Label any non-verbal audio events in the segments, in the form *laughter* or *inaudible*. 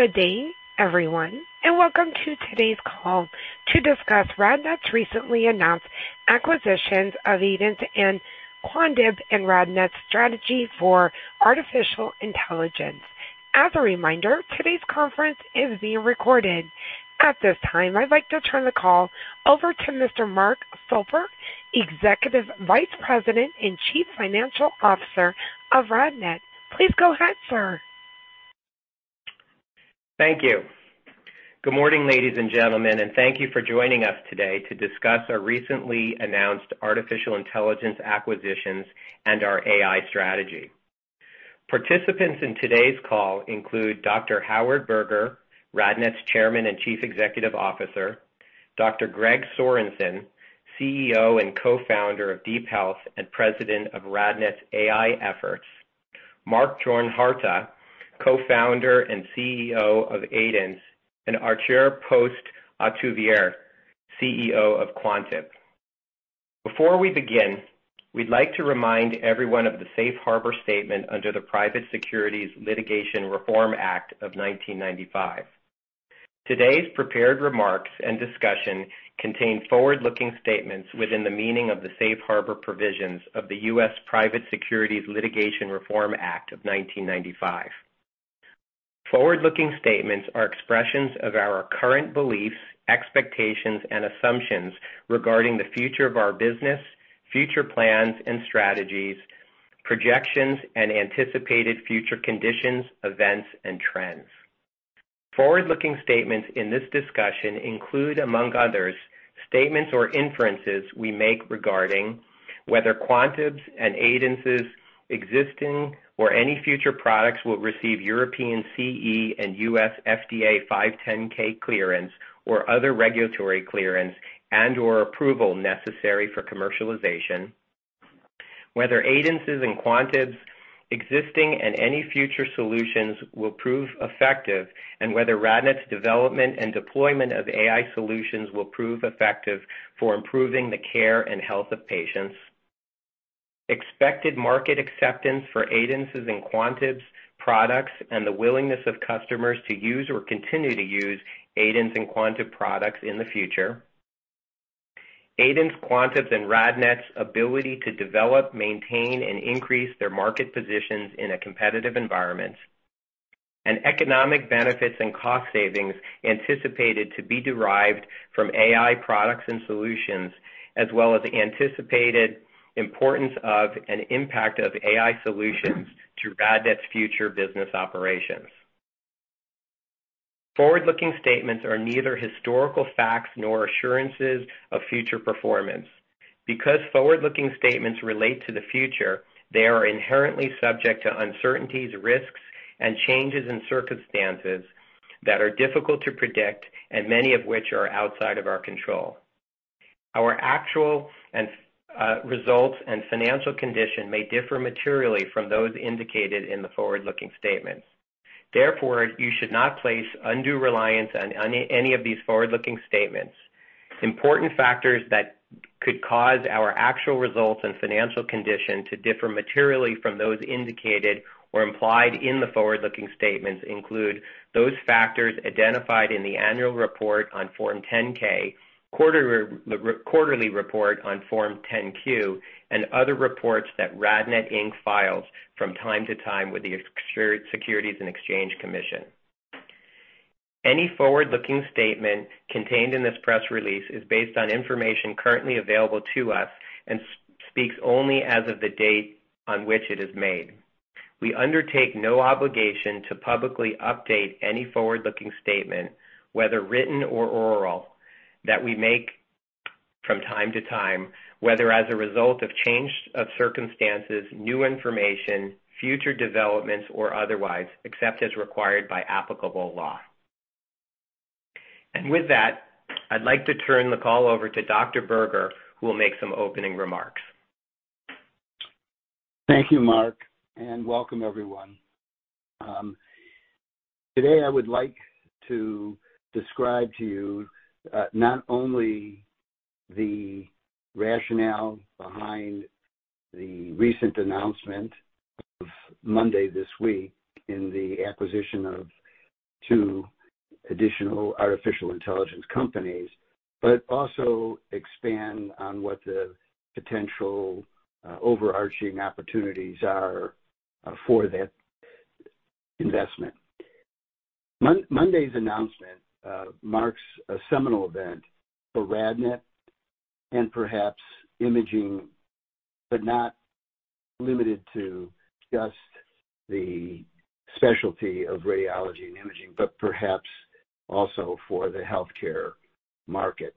Good day, everyone, and welcome to today's call to discuss RadNet's recently announced acquisitions of Aidence and Quantib and RadNet's strategy for artificial intelligence. As a reminder, today's conference is being recorded. At this time, I'd like to turn the call over to Mr. Mark Stolper, Executive Vice President and Chief Financial Officer of RadNet. Please go ahead, sir. Thank you. Good morning, ladies and gentlemen, and thank you for joining us today to discuss our recently announced artificial intelligence acquisitions and our AI strategy. Participants in today's call include Dr. Howard Berger, RadNet's Chairman and Chief Executive Officer, Dr. Gregory Sorensen, CEO and Co-founder of DeepHealth and President of RadNet's AI efforts, Mark-Jan Harte, Co-founder and CEO of Aidence, and Arthur Post Uiterweer, CEO of Quantib. Before we begin, we'd like to remind everyone of the safe harbor statement under the Private Securities Litigation Reform Act of 1995. Today's prepared remarks and discussion contain forward-looking statements within the meaning of the safe harbor provisions of the U.S. Private Securities Litigation Reform Act of 1995. Forward-looking statements are expressions of our current beliefs, expectations, and assumptions regarding the future of our business, future plans and strategies, projections, and anticipated future conditions, events, and trends. Forward-looking statements in this discussion include, among others, statements or inferences we make regarding whether Quantib's and Aidence's existing or any future products will receive European CE and U.S. FDA 510(k) clearance or other regulatory clearance and/or approval necessary for commercialization. Whether Aidence's and Quantib's existing and any future solutions will prove effective, and whether RadNet's development and deployment of AI solutions will prove effective for improving the care and health of patients. Expected market acceptance for Aidence's and Quantib's products and the willingness of customers to use or continue to use Aidence and Quantib products in the future. Aidence, Quantib, and RadNet's ability to develop, maintain, and increase their market positions in a competitive environment. Economic benefits and cost savings anticipated to be derived from AI products and solutions, as well as the anticipated importance of and impact of AI solutions to RadNet's future business operations. Forward-looking statements are neither historical facts nor assurances of future performance. Because forward-looking statements relate to the future, they are inherently subject to uncertainties, risks, and changes in circumstances that are difficult to predict and many of which are outside of our control. Our actual results and financial condition may differ materially from those indicated in the forward-looking statements. Therefore, you should not place undue reliance on any of these forward-looking statements. Important factors that could cause our actual results and financial condition to differ materially from those indicated or implied in the forward-looking statements include those factors identified in the annual report on Form 10-K, quarterly report on Form 10-Q, and other reports that RadNet, Inc. files from time to time with the Securities and Exchange Commission. Any forward-looking statement contained in this press release is based on information currently available to us and speaks only as of the date on which it is made. We undertake no obligation to publicly update any forward-looking statement, whether written or oral, that we make from time to time, whether as a result of change of circumstances, new information, future developments, or otherwise, except as required by applicable law. With that, I'd like to turn the call over to Dr. Berger, who will make some opening remarks. Thank you, Mark, and welcome everyone. Today I would like to describe to you not only the rationale behind the recent announcement of Monday this week in the acquisition of two additional artificial intelligence companies, but also expand on what the potential overarching opportunities are for that investment. Monday's announcement marks a seminal event for RadNet and perhaps imaging, but not limited to just the specialty of radiology and imaging, but perhaps also for the healthcare market.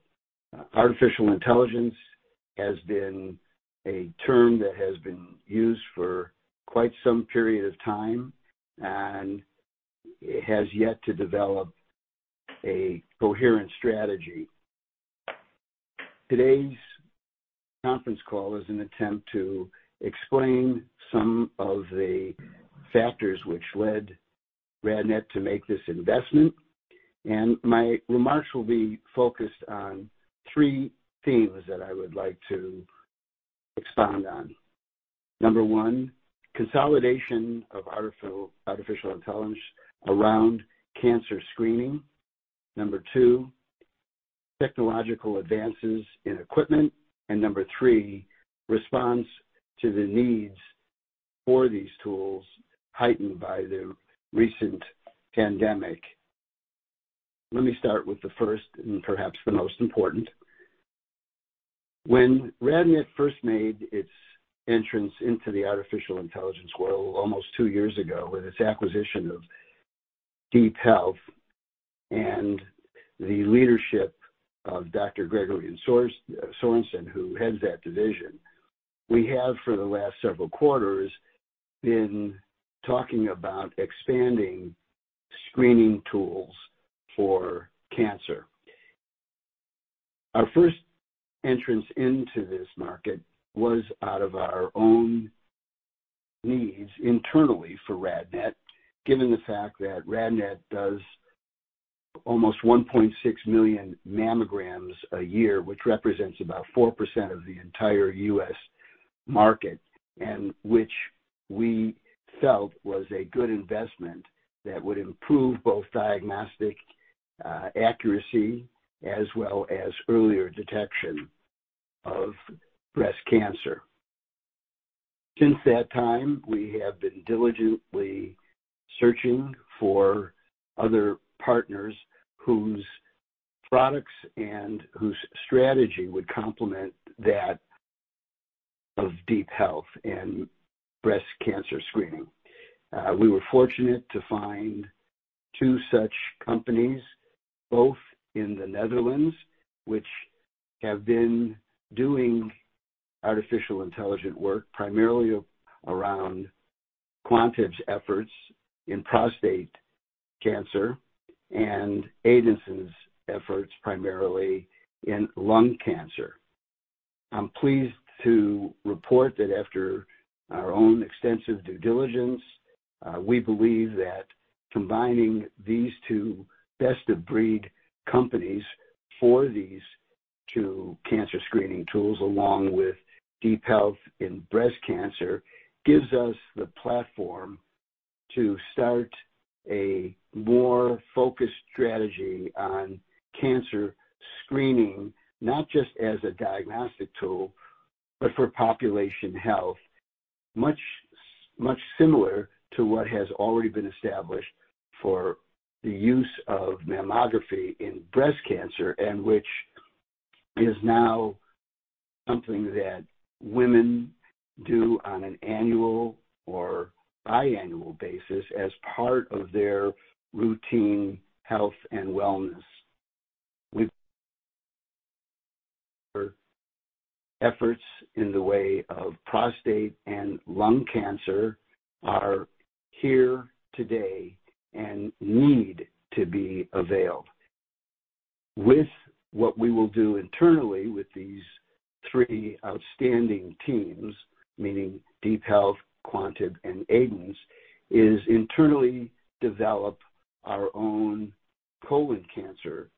Artificial intelligence has been a term that has been used for quite some period of time and has yet to develop a coherent strategy. Today's conference call is an attempt to explain some of the factors which led RadNet to make this investment, and my remarks will be focused on three themes that I would like to expound on. Number one, consolidation of artificial intelligence around cancer screening. Number two, technological advances in equipment. Number three, response to the needs for these tools heightened by the recent pandemic. Let me start with the first and perhaps the most important. When RadNet first made its entrance into the artificial intelligence world almost two years ago with its acquisition of DeepHealth and the leadership of Dr. Gregory Sorensen, who heads that division, we have, for the last several quarters, been talking about expanding screening tools for cancer. Our first entrance into this market was out of our own needs internally for RadNet, given the fact that RadNet does almost 1.6 million mammograms a year, which represents about 4% of the entire U.S. market, and which we felt was a good investment that would improve both diagnostic accuracy as well as earlier detection of breast cancer. Since that time, we have been diligently searching for other partners whose products and whose strategy would complement that of DeepHealth in breast cancer screening. We were fortunate to find two such companies, both in the Netherlands, which have been doing artificial intelligence work primarily around Quantib's efforts in prostate cancer and Aidence's efforts primarily in lung cancer. I'm pleased to report that after our own extensive due diligence, we believe that combining these two best-of-breed companies for these two cancer screening tools, along with DeepHealth in breast cancer, gives us the platform to start a more focused strategy on cancer screening, not just as a diagnostic tool, but for population health, much similar to what has already been established for the use of mammography in breast cancer and which is now something that women do on an annual or biannual basis as part of their routine health and wellness. Our efforts in the way of prostate and lung cancer are here today and need to be availed. What we will do internally with these three outstanding teams, meaning DeepHealth, Quantib, and Aidence, is internally develop our own colon cancer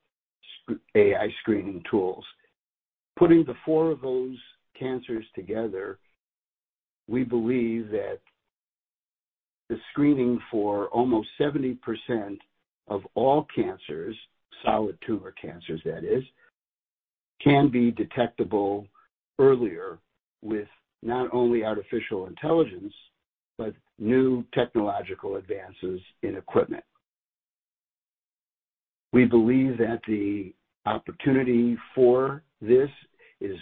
AI screening tools. Putting the four of those cancers together, we believe that the screening for almost 70% of all cancers, solid tumor cancers that is, can be detectable earlier with not only artificial intelligence, but new technological advances in equipment. We believe that the opportunity for this is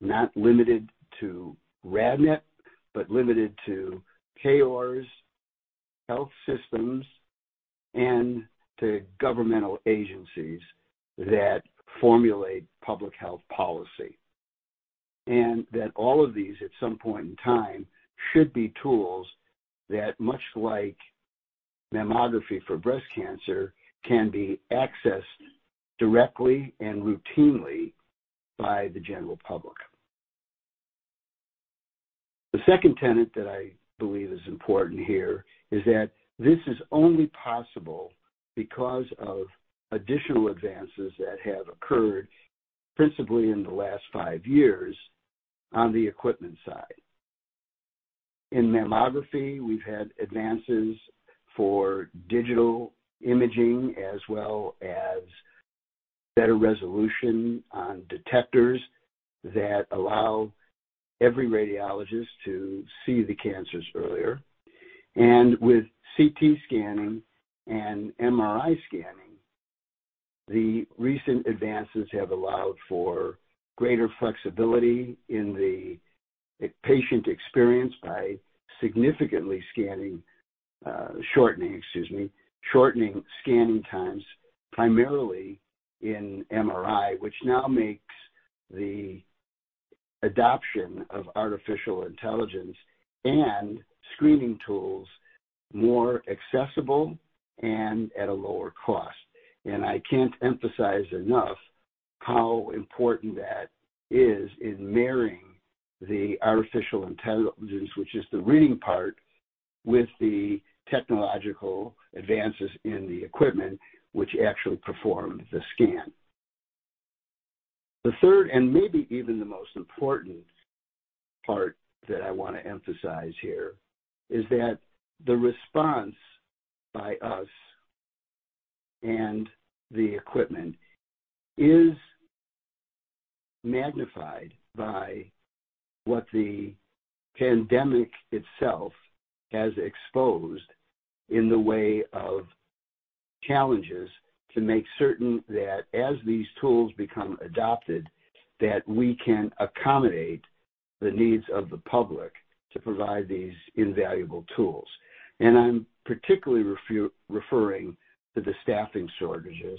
not limited to RadNet, but to our health systems and to governmental agencies that formulate public health policy, and that all of these, at some point in time, should be tools that, much like mammography for breast cancer, can be accessed directly and routinely by the general public. The second tenet that I believe is important here is that this is only possible because of additional advances that have occurred principally in the last five years on the equipment side. In mammography, we've had advances for digital imaging as well as better resolution on detectors that allow every radiologist to see the cancers earlier. With CT scanning and MRI scanning, the recent advances have allowed for greater flexibility in the patient experience by shortening scanning times primarily in MRI, which now makes the adoption of artificial intelligence and screening tools more accessible and at a lower cost. I can't emphasize enough how important that is in marrying the artificial intelligence, which is the reading part, with the technological advances in the equipment which actually perform the scan. The third, and maybe even the most important part that I want to emphasize here, is that the response by us and the equipment is magnified by what the pandemic itself has exposed in the way of challenges to make certain that as these tools become adopted, that we can accommodate the needs of the public to provide these invaluable tools. I'm particularly referring to the staffing shortages,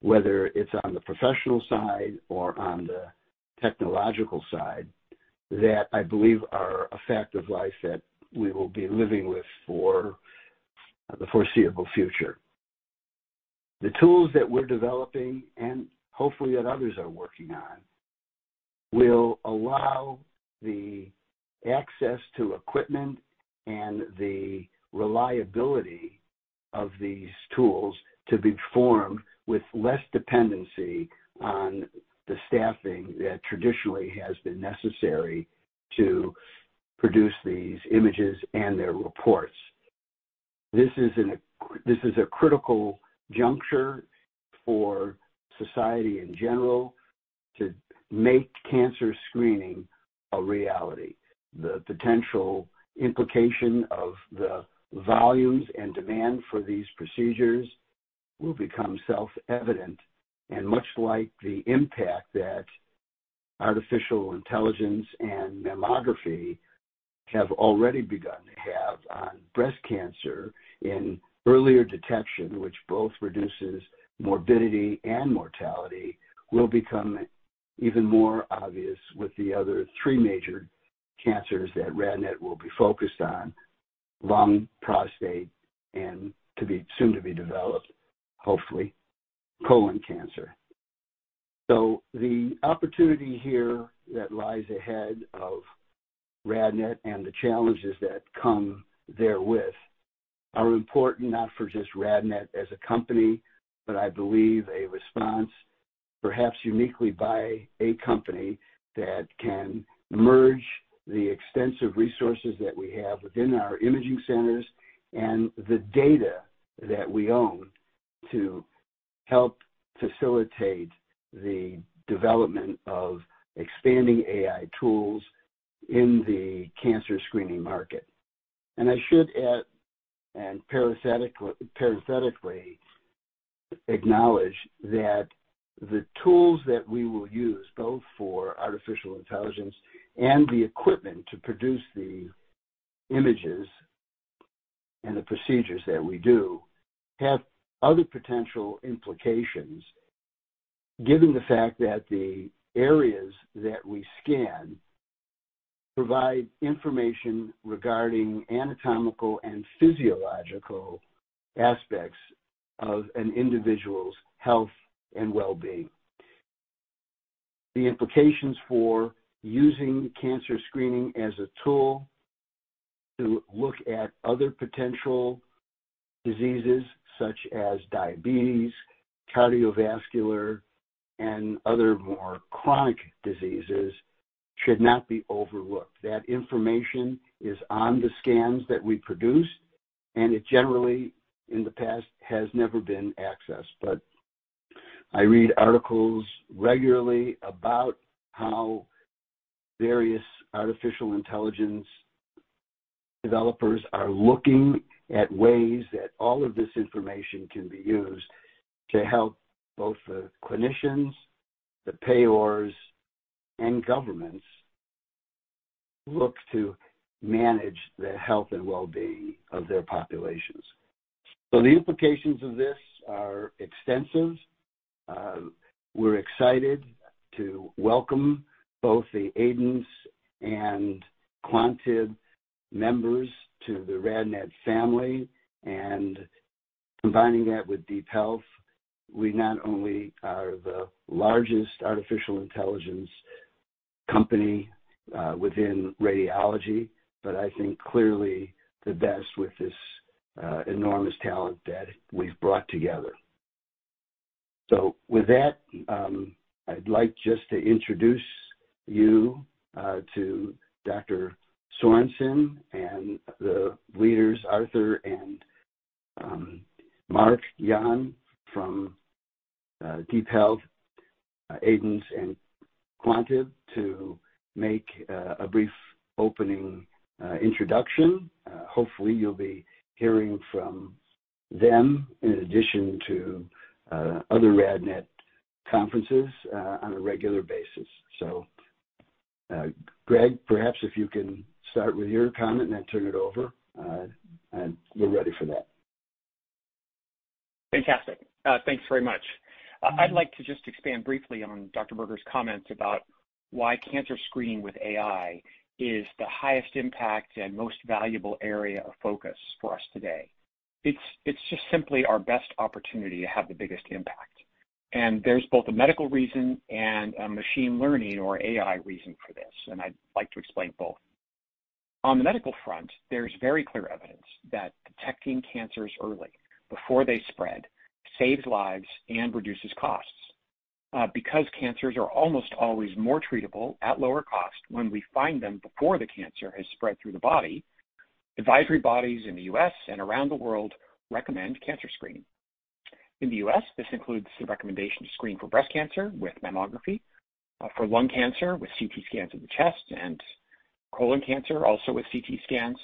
whether it's on the professional side or on the technological side, that I believe are a fact of life that we will be living with for the foreseeable future. The tools that we're developing and hopefully that others are working on will allow the access to equipment and the reliability of these tools to be formed with less dependency on the staffing that traditionally has been necessary to produce these images and their reports. This is a critical juncture for society in general to make cancer screening a reality. The potential implication of the volumes and demand for these procedures will become self-evident, and much like the impact that artificial intelligence and mammography have already begun to have on breast cancer in earlier detection, which both reduces morbidity and mortality, will become even more obvious with the other three major cancers that RadNet will be focused on, lung, prostate, and soon to be developed, hopefully, colon cancer. The opportunity here that lies ahead of RadNet and the challenges that come therewith are important not for just RadNet as a company, but I believe a response, perhaps uniquely by a company that can merge the extensive resources that we have within our imaging centers and the data that we own to help facilitate the development of expanding AI tools in the cancer screening market. I should add and parenthetically acknowledge that the tools that we will use, both for artificial intelligence and the equipment to produce the images and the procedures that we do, have other potential implications, given the fact that the areas that we scan provide information regarding anatomical and physiological aspects of an individual's health and well-being. The implications for using cancer screening as a tool to look at other potential diseases such as diabetes, cardiovascular, and other more chronic diseases should not be overlooked. That information is on the scans that we produce, and it generally, in the past, has never been accessed. I read articles regularly about how various artificial intelligence developers are looking at ways that all of this information can be used to help both the clinicians, the payers, and governments look to manage the health and well-being of their populations. The implications of this are extensive. We're excited to welcome both the Aidence and Quantib members to the RadNet family. Combining that with DeepHealth, we not only are the largest artificial intelligence company, within radiology, but I think clearly the best with this, enormous talent that we've brought together. With that, I'd like just to introduce you to Dr. Sorensen and the leaders, Arthur and Mark-Jan Harte from DeepHealth, Aidence, and Quantib, to make a brief opening introduction. Hopefully, you'll be hearing from them in addition to other RadNet conferences on a regular basis. Greg, perhaps if you can start with your comment and turn it over and we're ready for that. Fantastic. Thanks very much. I'd like to just expand briefly on Dr. Berger's comments about why cancer screening with AI is the highest impact and most valuable area of focus for us today. It's just simply our best opportunity to have the biggest impact. There's both a medical reason and a machine learning or AI reason for this, and I'd like to explain both. On the medical front, there's very clear evidence that detecting cancers early before they spread saves lives and reduces costs. Because cancers are almost always more treatable at lower cost when we find them before the cancer has spread through the body, advisory bodies in the U.S. and around the world recommend cancer screening. In the U.S., this includes the recommendation to screen for breast cancer with mammography, for lung cancer with CT scans of the chest and colon cancer also with CT scans,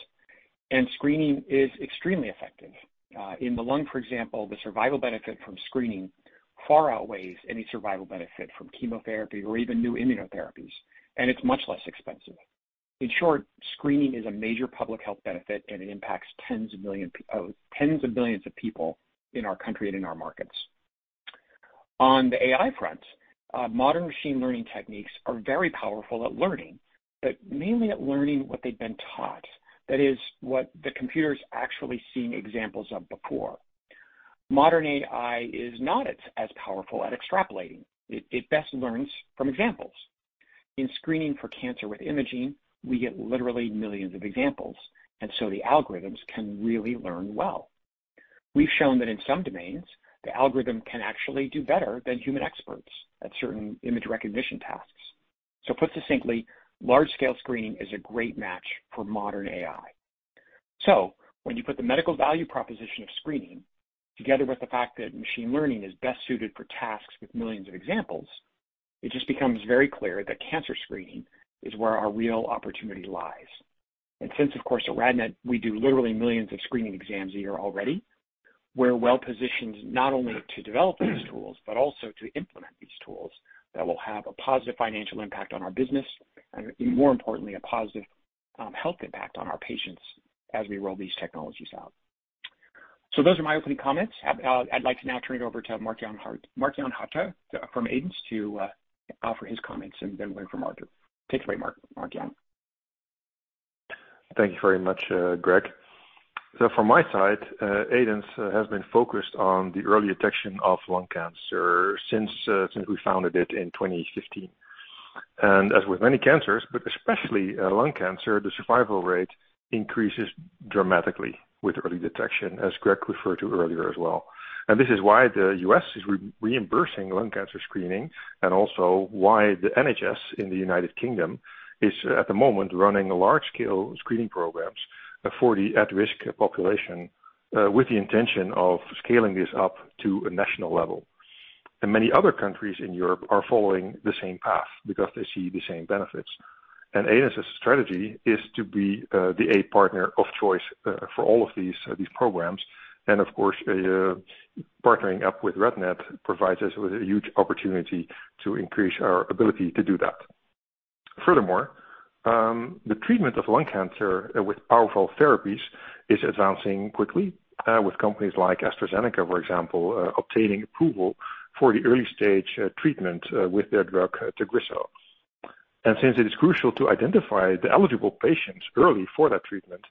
and screening is extremely effective. In the lung, for example, the survival benefit from screening far outweighs any survival benefit from chemotherapy or even new immunotherapies, and it's much less expensive. In short, screening is a major public health benefit, and it impacts tens of billions of people in our country and in our markets. On the AI front, modern machine learning techniques are very powerful at learning, but mainly at learning what they've been taught. That is, what the computer's actually seen examples of before. Modern AI is not as powerful at extrapolating. It best learns from examples. In screening for cancer with imaging, we get literally millions of examples, and so the algorithms can really learn well. We've shown that in some domains the algorithm can actually do better than human experts at certain image recognition tasks. Put succinctly, large scale screening is a great match for modern AI. When you put the medical value proposition of screening together with the fact that machine learning is best suited for tasks with millions of examples, it just becomes very clear that cancer screening is where our real opportunity lies. Since of course at RadNet, we do literally millions of screening exams a year already, we're well-positioned not only to develop these tools, but also to implement these tools that will have a positive financial impact on our business and more importantly, a positive health impact on our patients as we roll these technologies out. Those are my opening comments. I'd like to now turn it over to Mark-Jan Harte from Aidence to offer his comments and then learn from Mark. Take it away, Mark-Jan. Thank you very much, Greg. From my side, Aidence has been focused on the early detection of lung cancer since we founded it in 2015. As with many cancers, but especially lung cancer, the survival rate increases dramatically with early detection, as Greg referred to earlier as well. This is why the U.S. is reimbursing lung cancer screening and also why the NHS in the United Kingdom is, at the moment, running large-scale screening programs for the at-risk population with the intention of scaling this up to a national level. Many other countries in Europe are following the same path because they see the same benefits. Aidence's strategy is to be a partner of choice for all of these programs. Of course, partnering up with RadNet provides us with a huge opportunity to increase our ability to do that. Furthermore, the treatment of lung cancer with powerful therapies is advancing quickly, with companies like AstraZeneca, for example, obtaining approval for the early stage treatment with their drug, Tagrisso. Since it is crucial to identify the eligible patients early for that treatment,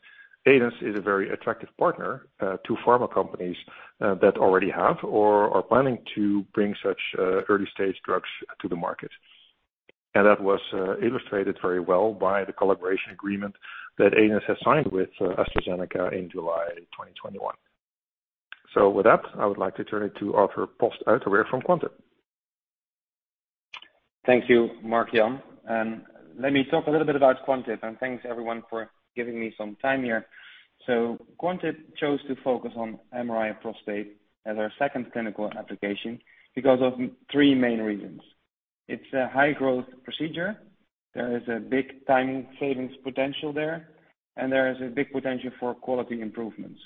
Aidence is a very attractive partner to pharma companies that already have or are planning to bring such early stage drugs to the market. That was illustrated very well by the collaboration agreement that Aidence has signed with AstraZeneca in July 2021. With that, I would like to turn it to Arthur Post Uiterweer from Quantib. Thank you, Mark-Jan Harte. Let me talk a little bit about Quantib, and thanks everyone for giving me some time here. Quantib chose to focus on MRI prostate as our second clinical application because of three main reasons. It's a high growth procedure. There is a big time savings potential there, and there is a big potential for quality improvements.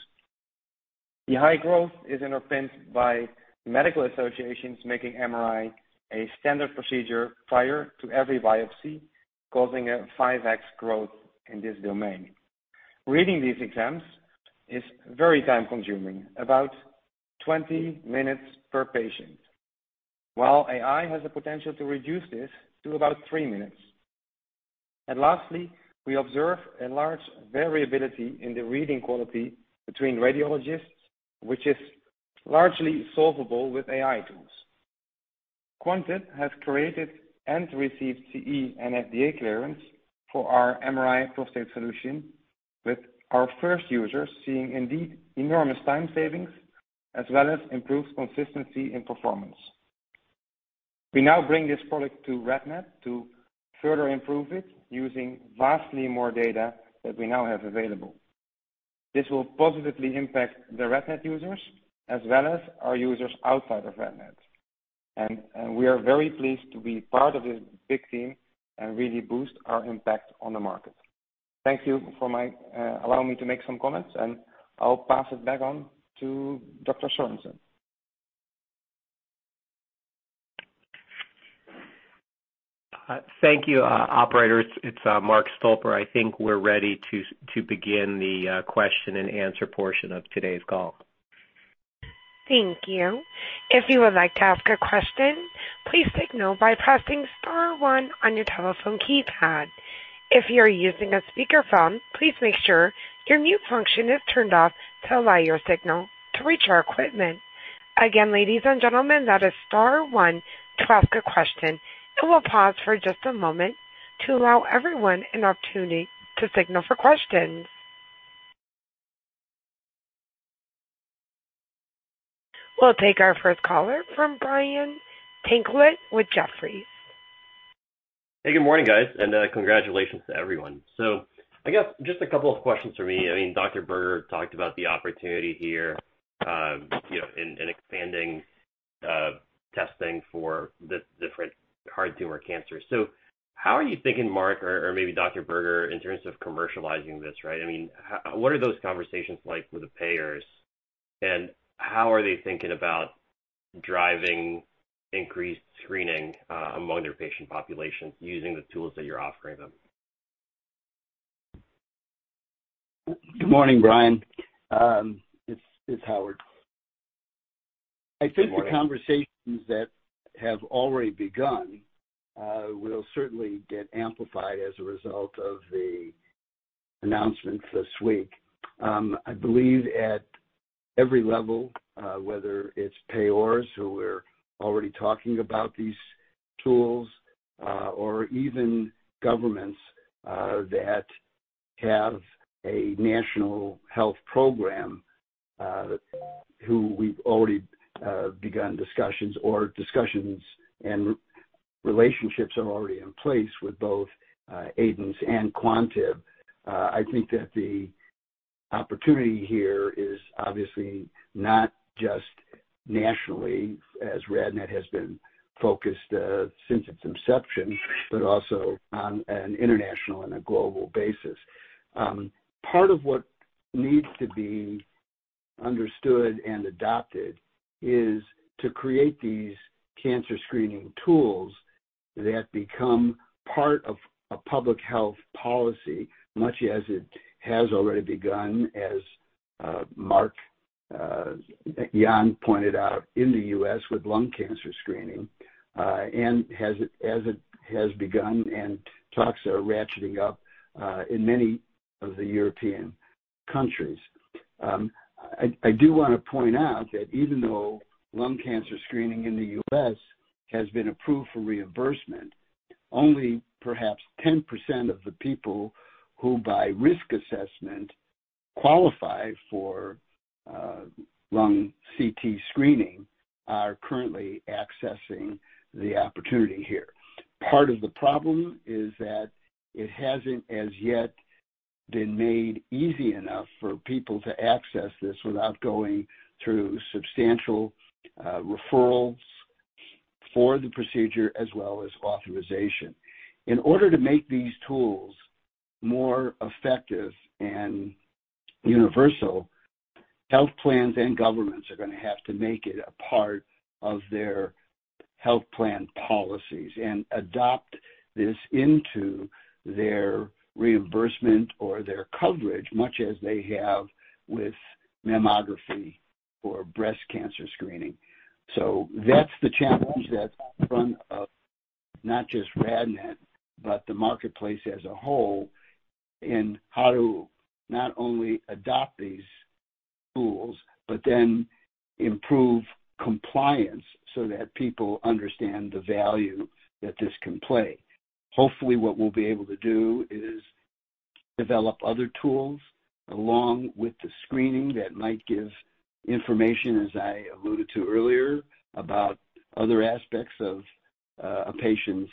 The high growth is underpinned by medical associations making MRI a standard procedure prior to every biopsy, causing a 5x growth in this domain. Reading these exams is very time consuming, about 20 minutes per patient, while AI has the potential to reduce this to about three minutes. Lastly, we observe a large variability in the reading quality between radiologists, which is largely solvable with AI tools. Quantib has created and received CE and FDA clearance for our MRI prostate solution, with our first users seeing indeed enormous time savings as well as improved consistency and performance. We now bring this product to RadNet to further improve it using vastly more data that we now have available. This will positively impact the RadNet users as well as our users outside of RadNet. We are very pleased to be part of this big team and really boost our impact on the market. Thank you for allowing me to make some comments, and I'll pass it back on to Dr. Sorensen. Thank you, operators. It's Mark Stolper. I think we're ready to begin the question and answer portion of today's call. Thank you. If you would like to ask a question, please signal by pressing star one on your telephone keypad. If you're using a speakerphone, please make sure your mute function is turned off to allow your signal to reach our equipment. Again, ladies and gentlemen, that is star one to ask a question. We'll pause for just a moment to allow everyone an opportunity to signal for questions. We'll take our first caller from Brian Tanquilut with Jefferies. Hey, good morning, guys, and congratulations to everyone. I guess just a couple of questions for me. I mean, Dr. Berger talked about the opportunity here, you know, in expanding testing for the different solid tumor cancers. How are you thinking, Mark, or maybe Dr. Berger, in terms of commercializing this, right? I mean, what are those conversations like with the payers, and how are they thinking about driving increased screening among their patient population using the tools that you are offering them? Good morning, Brian. It's Howard. Good morning. I think the conversations that have already begun will certainly get amplified as a result of the announcement this week. I believe at every level, whether it's payers who we're already talking about these tools, or even governments that have a national health program, who we've already begun discussions and relationships are already in place with both Aidence and Quantib. I think that the opportunity here is obviously not just nationally, as RadNet has been focused since its inception, but also on an international and a global basis. Part of what needs to be understood and adopted is to create these cancer screening tools that become part of a public health policy, much as it has already begun, as Mark-Jan Harte pointed out in the U.S. with lung cancer screening, and as it has begun and talks are ratcheting up in many of the European countries. I do wanna point out that even though lung cancer screening in the U.S. has been approved for reimbursement, only perhaps 10% of the people who, by risk assessment, qualify for lung CT screening are currently accessing the opportunity here. Part of the problem is that it hasn't as yet been made easy enough for people to access this without going through substantial referrals for the procedure as well as authorization. In order to make these tools more effective and universal, health plans and governments are gonna have to make it a part of their health plan policies and adopt this into their reimbursement or their coverage, much as they have with mammography or breast cancer screening. That's the challenge that's in front of not just RadNet, but the marketplace as a whole in how to not only adopt these tools, but then improve compliance so that people understand the value that this can play. Hopefully, what we'll be able to do is develop other tools along with the screening that might give information, as I alluded to earlier, about other aspects of a patient's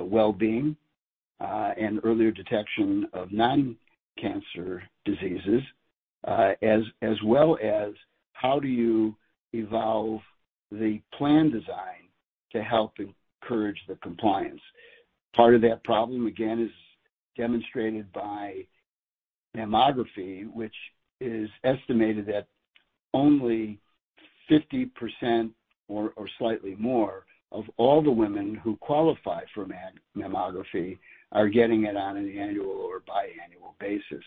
well-being and earlier detection of non-cancer diseases, as well as how do you evolve the plan design to help encourage the compliance. Part of that problem, again, is demonstrated by mammography, which is estimated that only 50% or slightly more of all the women who qualify for mammography are getting it on an annual or biannual basis.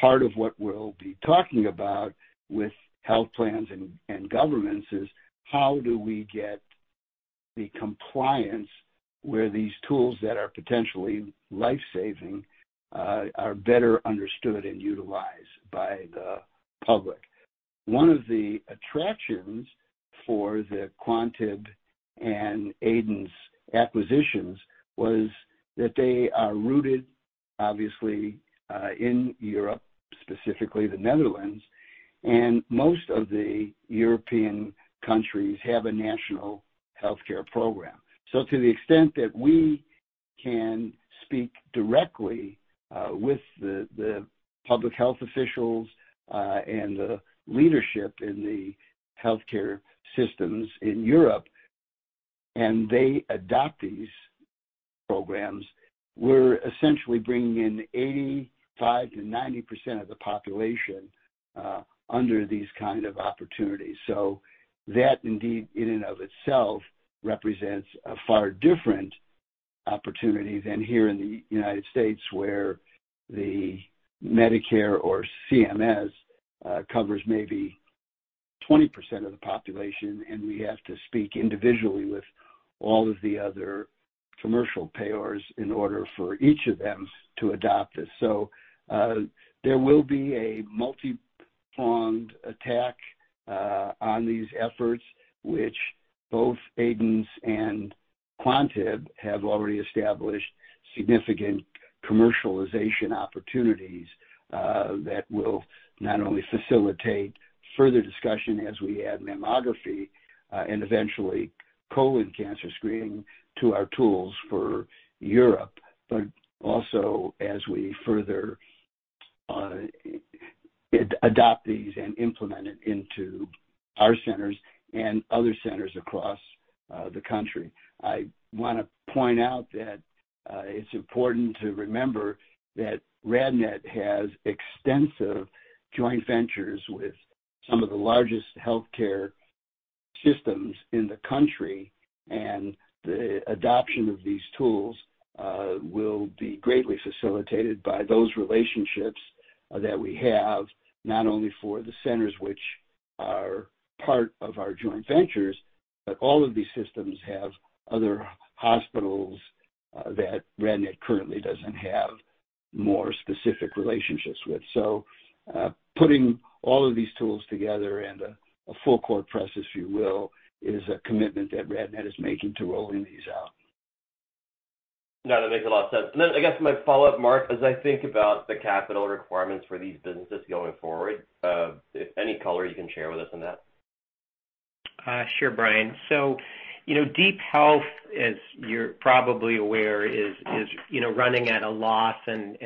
Part of what we'll be talking about with health plans and governments is how do we get the compliance where these tools that are potentially life-saving are better understood and utilized by the public. One of the attractions for the Quantib and Aidence acquisitions was that they are rooted, obviously, in Europe, specifically the Netherlands, and most of the European countries have a national healthcare program. To the extent that we can speak directly with the public health officials and the leadership in the healthcare systems in Europe, and they adopt these programs, we're essentially bringing in 85%-90% of the population under these kind of opportunities. That indeed in and of itself represents a far different opportunity than here in the United States, where the Medicare or CMS covers maybe 20% of the population, and we have to speak individually with all of the other commercial payers in order for each of them to adopt this. There will be a multi-pronged attack on these efforts which both Aidence and Quantib have already established significant commercialization opportunities that will not only facilitate further discussion as we add mammography and eventually colon cancer screening to our tools for Europe, but also as we further adopt these and implement it into our centers and other centers across the country. I wanna point out that it's important to remember that RadNet has extensive joint ventures with some of the largest healthcare systems in the country, and the adoption of these tools will be greatly facilitated by those relationships that we have, not only for the centers which are part of our joint ventures, but all of these systems have other hospitals that RadNet currently doesn't have more specific relationships with. Putting all of these tools together and a full court press, if you will, is a commitment that RadNet is making to rolling these out. No, that makes a lot of sense. I guess my follow-up, Mark, as I think about the capital requirements for these businesses going forward, any color you can share with us on that? Sure, Brian. So, you know, DeepHealth, as you're probably aware, is running at a loss and,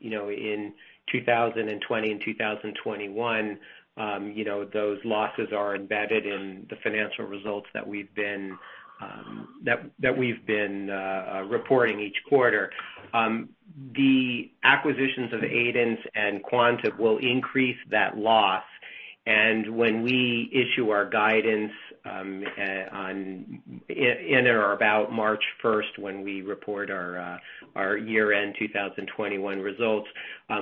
you know, in 2020 and 2021, those losses are embedded in the financial results that we've been reporting each quarter. The acquisitions of Aidence and Quantib will increase that loss. When we issue our guidance, in or about March 1 when we report our year-end 2021 results,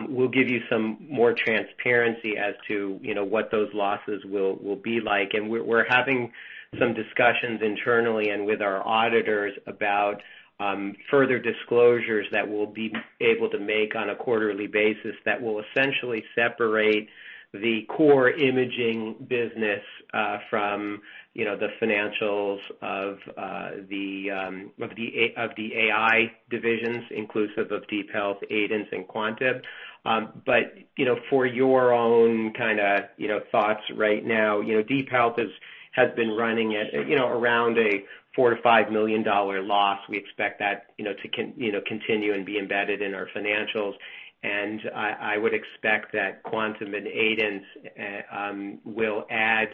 we'll give you some more transparency as to, you know, what those losses will be like. We're having some discussions internally and with our auditors about further disclosures that we'll be able to make on a quarterly basis that will essentially separate the core imaging business from the financials of the AI divisions inclusive of DeepHealth, Aidence and Quantib. You know, for your own kinda thoughts right now, you know, DeepHealth has been running at around a $4 million-$5 million loss. We expect that to continue and be embedded in our financials. I would expect that Quantib and Aidence will add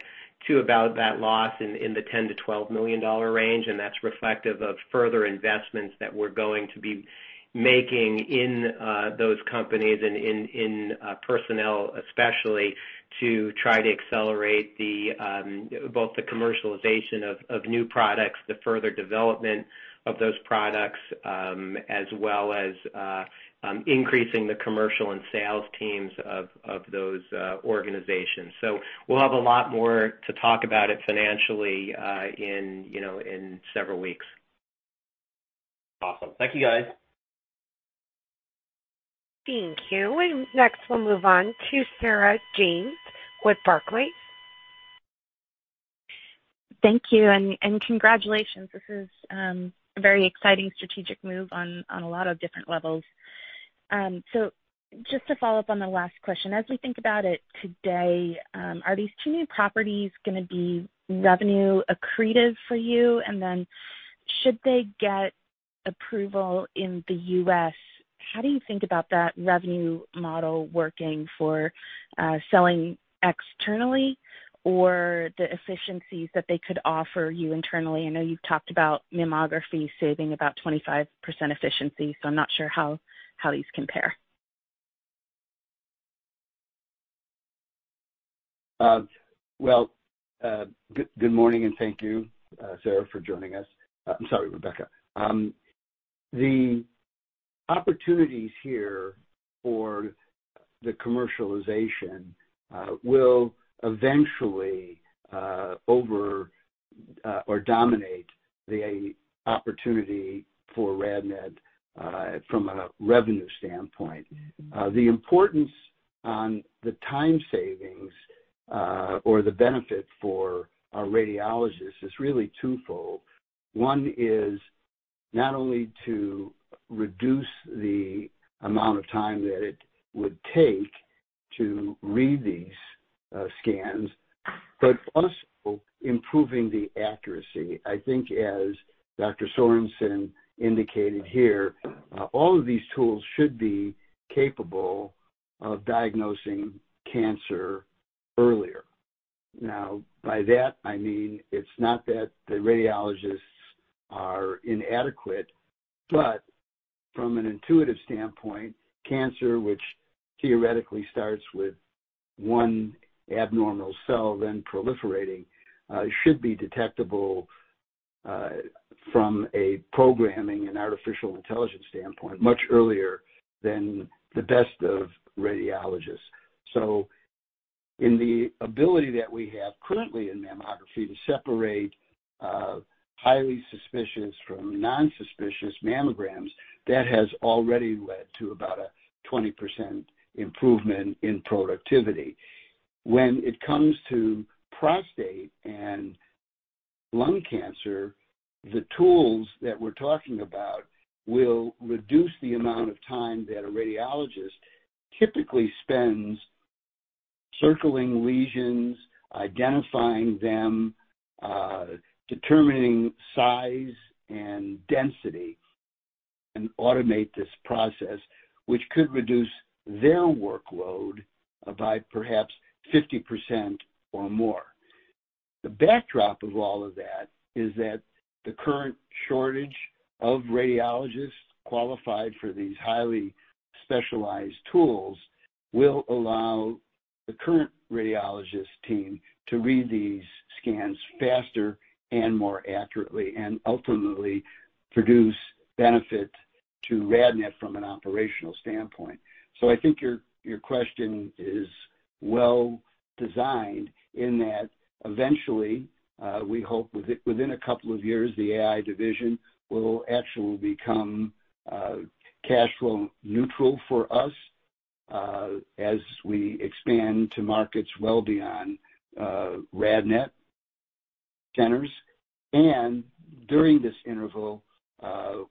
to about that loss in the $10 million-$12 million range, and that's reflective of further investments that we're going to be making in those companies and personnel especially to try to accelerate both the commercialization of new products, the further development of those products, as well as increasing the commercial and sales teams of those organizations. We'll have a lot more to talk about it financially, you know, in several weeks. Awesome. Thank you, guys. Thank you. Next we'll move on to Sarah James with Barclays. Thank you and congratulations. This is a very exciting strategic move on a lot of different levels. Just to follow up on the last question, as we think about it today, are these two new properties gonna be revenue accretive for you? Should they get approval in the U.S., how do you think about that revenue model working for selling externally or the efficiencies that they could offer you internally? I know you've talked about mammography saving about 25% efficiency, so I'm not sure how these compare. Good morning and thank you, Sarah, for joining us. I'm sorry, Rebecca. The opportunities here for the commercialization will eventually overshadow or dominate the opportunity for RadNet from a revenue standpoint. The importance on the time savings or the benefit for our radiologists is really twofold. One is not only to reduce the amount of time that it would take to read these scans, but also improving the accuracy. I think as Dr. Sorensen indicated here, all of these tools should be capable of diagnosing cancer earlier. Now, by that, I mean it's not that the radiologists are inadequate, but from an intuitive standpoint, cancer, which theoretically starts with one abnormal cell then proliferating, should be detectable from a programming and artificial intelligence standpoint much earlier than the best of radiologists. In the ability that we have currently in mammography to separate highly suspicious from non-suspicious mammograms, that has already led to about a 20% improvement in productivity. When it comes to prostate and lung cancer, the tools that we're talking about will reduce the amount of time that a radiologist typically spends circling lesions, identifying them, determining size and density, and automate this process, which could reduce their workload by perhaps 50% or more. The backdrop of all of that is that the current shortage of radiologists qualified for these highly specialized tools will allow the current radiologist team to read these scans faster and more accurately and ultimately produce benefit to RadNet from an operational standpoint. I think your question is well designed in that eventually, we hope within a couple of years, the AI division will actually become cash flow neutral for us, as we expand to markets well beyond RadNet centers. During this interval,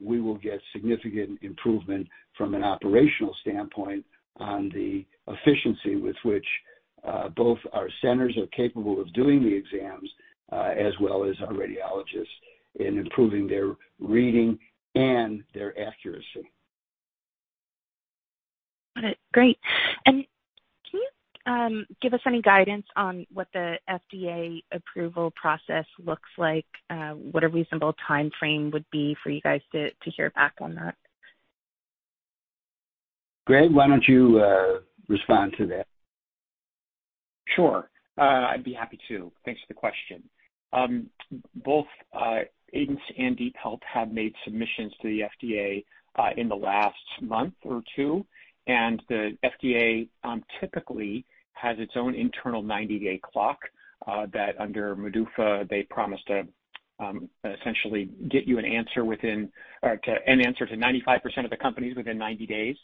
we will get significant improvement from an operational standpoint on the efficiency with which both our centers are capable of doing the exams, as well as our radiologists in improving their reading and their accuracy. Got it. Great. Can you give us any guidance on what the FDA approval process looks like? What a reasonable timeframe would be for you guys to hear back on that? Greg, why don't you respond to that? Sure. I'd be happy to. Thanks for the question. Both Aidence and DeepHealth have made submissions to the FDA in the last month or two, and the FDA typically has its own internal 90-day clock that under MDUFA, they promise to essentially get you an answer to 95% of the companies within 90 days.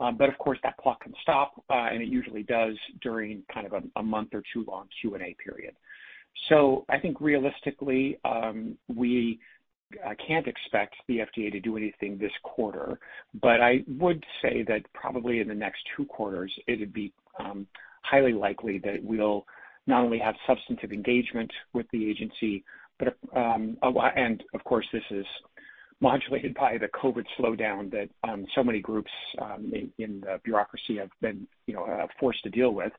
Of course, that clock can stop, and it usually does during kind of a month or two long Q&A period. I think realistically, we can't expect the FDA to do anything this quarter. I would say that probably in the next two quarters it would be highly likely that we'll not only have substantive engagement with the agency but and of course this is modulated by the COVID slowdown that so many groups in the bureaucracy have been, you know, forced to deal with.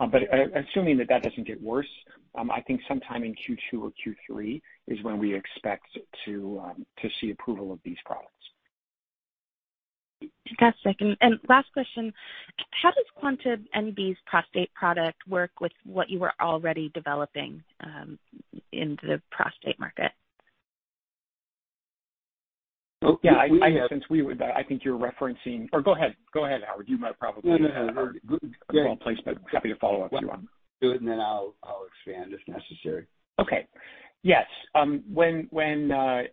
Assuming that that doesn't get worse, I think sometime in Q2 or Q3 is when we expect to see approval of these products. Fantastic. Last question, how does Quantib B.V.'s prostate product work with what you were already developing into the prostate market? Oh, we have. Yeah, I think you're referencing or go ahead. Go ahead, Howard. You might probably. No, no. *crosstalk* Happy to follow up if you want. Do it, and then I'll expand if necessary. Okay. Yes. When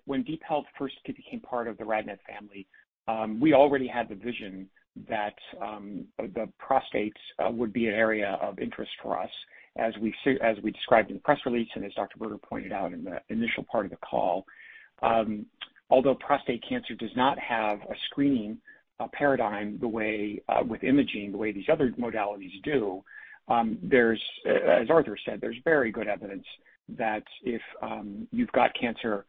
DeepHealth first became part of the RadNet family, we already had the vision that the prostate would be an area of interest for us. As we described in the press release and as Dr. Berger pointed out in the initial part of the call, although prostate cancer does not have a screening paradigm the way with imaging, the way these other modalities do, as Arthur said, there's very good evidence that if you've got cancer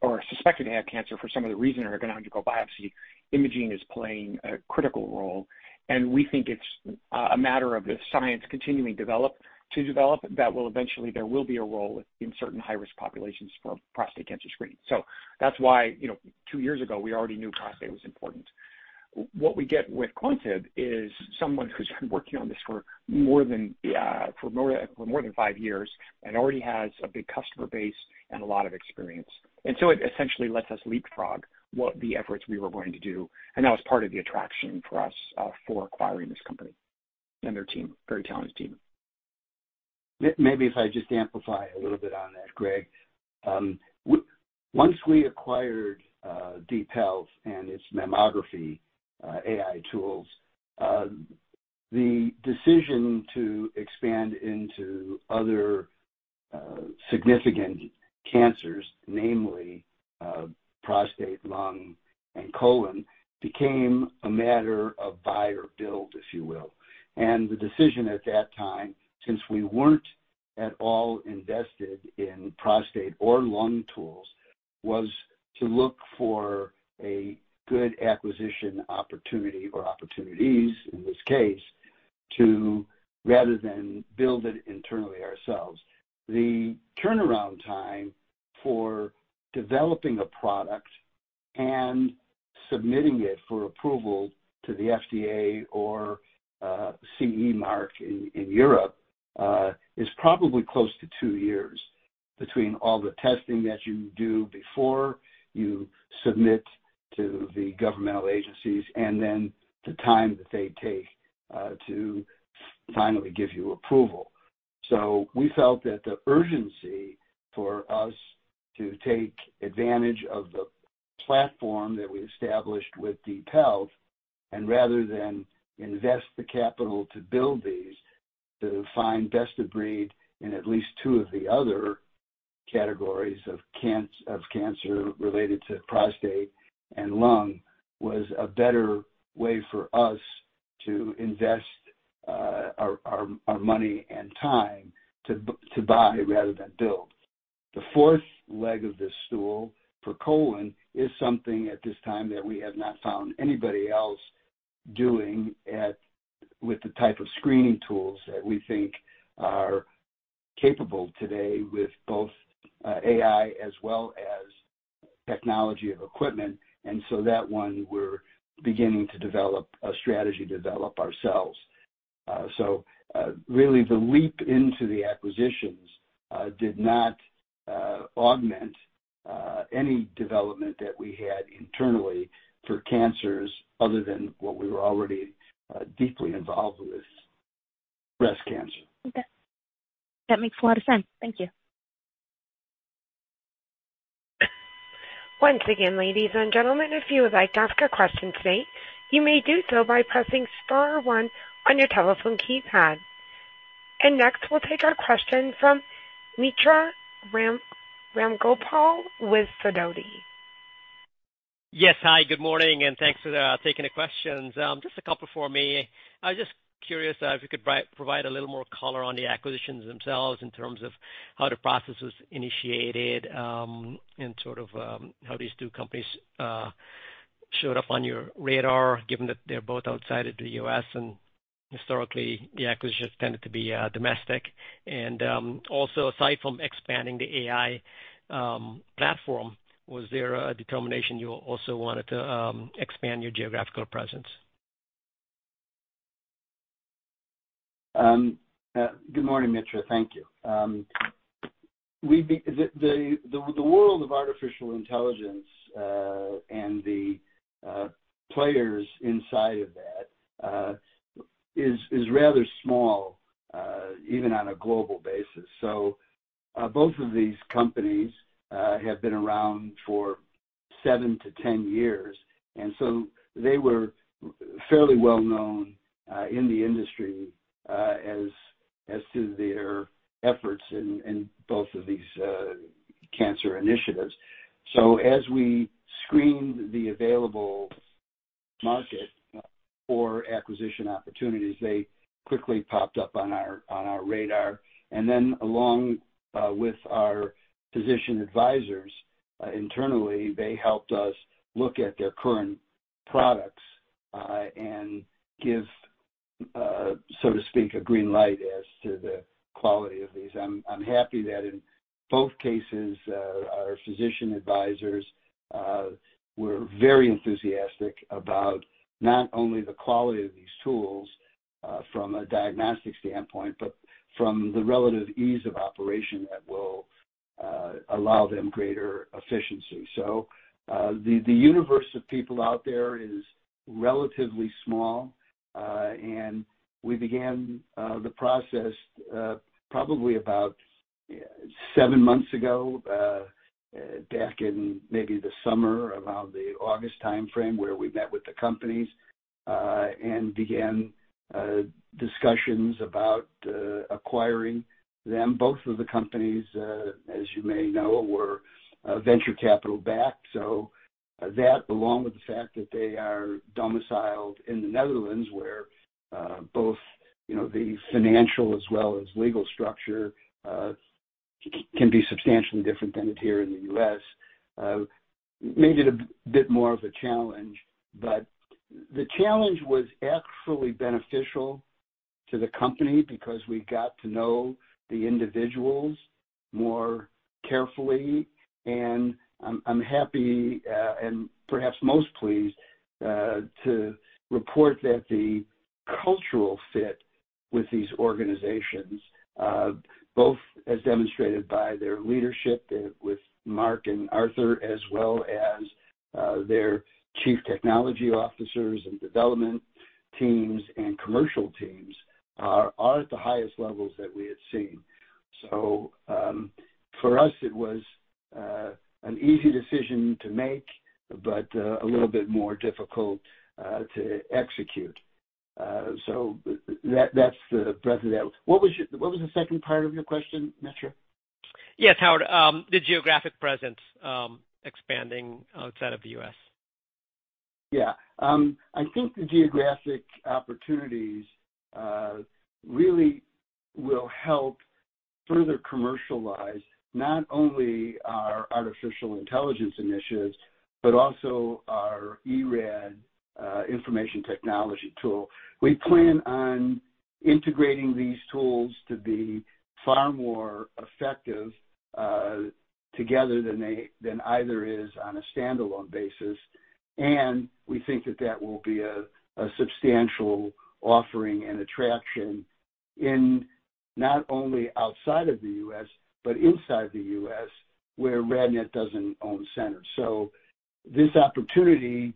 or suspected to have cancer for some other reason or urological biopsy, imaging is playing a critical role. We think it's a matter of the science continuing to develop that will eventually be a role in certain high-risk populations for prostate cancer screening. That's why, you know, two years ago, we already knew prostate was important. What we get with Quantib is someone who's been working on this for more than five years and already has a big customer base and a lot of experience. It essentially lets us leapfrog what the efforts we were going to do, and that was part of the attraction for us, for acquiring this company and their team, very talented team. Maybe if I just amplify a little bit on that, Greg. Once we acquired DeepHealth and its mammography AI tools, the decision to expand into other significant cancers, namely, prostate, lung, and colon, became a matter of buy or build, if you will. The decision at that time, since we weren't at all invested in prostate or lung tools, was to look for a good acquisition opportunity or opportunities in this case to rather than build it internally ourselves. The turnaround time for developing a product and submitting it for approval to the FDA or CE Mark in Europe is probably close to two years. Between all the testing that you do before you submit to the governmental agencies, and then the time that they take to finally give you approval. We felt that the urgency for us to take advantage of the platform that we established with DeepHealth and rather than invest the capital to build these, to find best of breed in at least two of the other categories of cancer related to prostate and lung, was a better way for us to invest our money and time to buy rather than build. The fourth leg of this stool for colon is something at this time that we have not found anybody else doing with the type of screening tools that we think are capable today with both AI as well as technology of equipment. That one we're beginning to develop a strategy to develop ourselves. Really, the leap into the acquisitions did not augment any development that we had internally for cancers other than what we were already deeply involved with, breast cancer. Okay. That makes a lot of sense. Thank you. Once again, ladies and gentlemen, if you would like to ask a question today, you may do so by pressing star one on your telephone keypad. Next we'll take our question from Mitra Ramgopal with Sidoti. Yes. Hi, good morning, and thanks for taking the questions. Just a couple for me. I was just curious if you could provide a little more color on the acquisitions themselves in terms of how the process was initiated, and sort of how these two companies showed up on your radar, given that they're both outside of the U.S. and historically the acquisitions tended to be domestic. Also, aside from expanding the AI platform, was there a determination you also wanted to expand your geographical presence? Good morning, Mitra. Thank you. The world of artificial intelligence and the players inside of that is rather small, even on a global basis. Both of these companies have been around for seven to 10 years, and so they were fairly well known in the industry as to their efforts in both of these cancer initiatives. As we screened the available market for acquisition opportunities, they quickly popped up on our radar. With our physician advisors internally, they helped us look at their current products and give, so to speak, a green light as to the quality of these. I'm happy that in both cases, our physician advisors were very enthusiastic about not only the quality of these tools from a diagnostic standpoint, but from the relative ease of operation that will allow them greater efficiency. The universe of people out there is relatively small. We began the process probably about seven months ago back in maybe the summer, around the August timeframe, where we met with the companies and began discussions about acquiring them. Both of the companies, as you may know, were venture capital backed. That, along with the fact that they are domiciled in the Netherlands, where, both you know, the financial as well as legal structure, can be substantially different than it here in the U.S., made it a bit more of a challenge. The challenge was actually beneficial to the company because we got to know the individuals more carefully. I'm happy, and perhaps most pleased, to report that the cultural fit with these organizations, both as demonstrated by their leadership with Mark-Jan Harte and Arthur Post Uiterweer, as well as, their chief technology officers and development teams and commercial teams, are at the highest levels that we had seen. For us it was an easy decision to make, but a little bit more difficult to execute. That's the breadth of that. What was the second part of your question, Mitra? Yes, Howard, the geographic presence, expanding outside of the U.S. Yeah. I think the geographic opportunities really will help further commercialize not only our artificial intelligence initiatives, but also our eRAD information technology tool. We plan on integrating these tools to be far more effective together than either is on a standalone basis. We think that will be a substantial offering and attraction in not only outside of the U.S., but inside the U.S., where RadNet doesn't own centers. This opportunity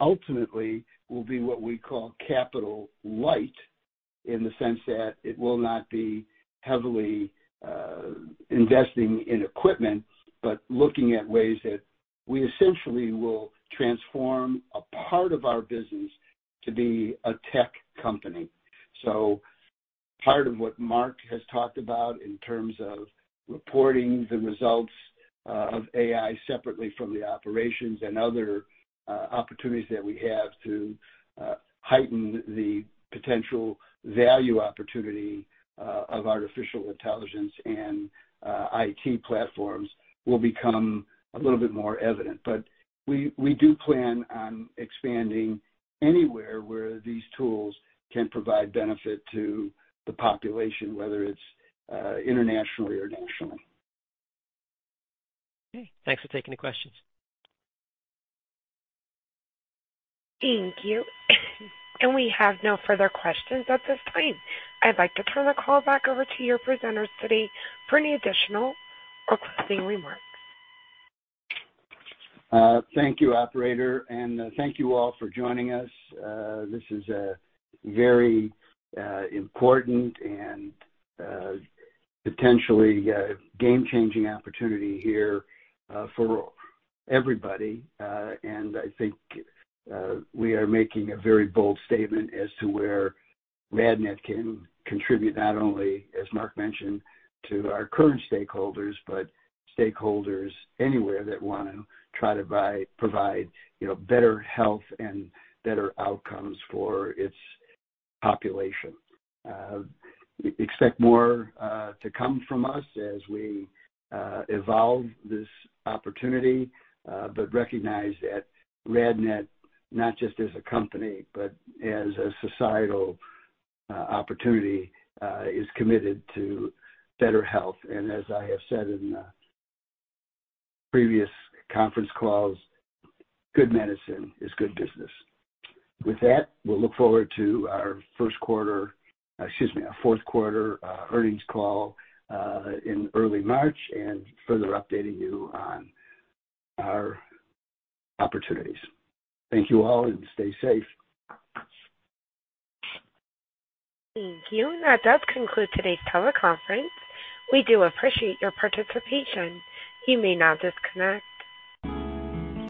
ultimately will be what we call capital light, in the sense that it will not be heavily investing in equipment, but looking at ways that we essentially will transform a part of our business to be a tech company. Part of what Mark has talked about in terms of reporting the results of AI separately from the operations and other opportunities that we have to heighten the potential value opportunity of artificial intelligence and IT platforms will become a little bit more evident. We do plan on expanding anywhere where these tools can provide benefit to the population, whether it's internationally or nationally. Okay. Thanks for taking the questions. Thank you. We have no further questions at this time. I'd like to turn the call back over to your presenters today for any additional or closing remarks. Thank you, operator, and thank you all for joining us. This is a very important and potentially a game-changing opportunity here for everybody. I think we are making a very bold statement as to where RadNet can contribute, not only, as Mark mentioned, to our current stakeholders, but stakeholders anywhere that wanna try to provide, you know, better health and better outcomes for its population. Expect more to come from us as we evolve this opportunity, but recognize that RadNet, not just as a company, but as a societal opportunity, is committed to better health. As I have said in previous conference calls, good medicine is good business. With that, we'll look forward to our first quarter. Excuse me, our fourth quarter earnings call in early March, and further updating you on our opportunities. Thank you all, and stay safe. Thank you. That does conclude today's teleconference. We do appreciate your participation. You may now disconnect.